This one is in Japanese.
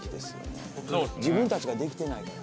自分たちができてないから。